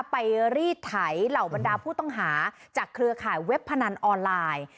ไปรีดไถเหล่าบรรดาผู้ต้องหาจากเครือข่ายเว็บพนันออนไลน์